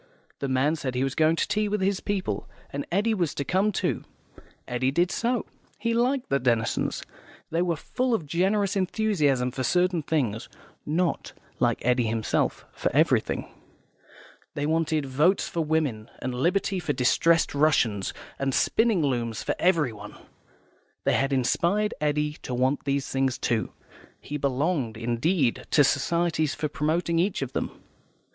The man said he was going to tea with his people, and Eddy was to come too. Eddy did so. He liked the Denisons; they were full of generous enthusiasm for certain things (not, like Eddy himself, for everything). They wanted Votes for Women, and Liberty for Distressed Russians, and spinning looms for everyone. They had inspired Eddy to want these things, too; he belonged, indeed, to societies for promoting each of them.